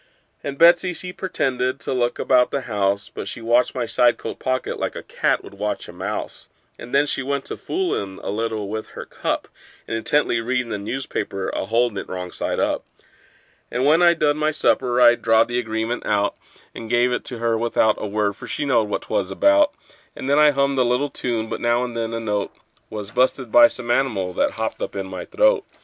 And Betsey, she pretended to look about the house, But she watched my side coat pocket like a cat would watch a mouse: And then she went to foolin' a little with her cup, And intently readin' a newspaper, a holdin' it wrong side up. And when I'd done my supper I drawed the agreement out, And give it to her without a word, for she knowed what 'twas about; And then I hummed a little tune, but now and then a note Was bu'sted by some animal that hopped up in my throat.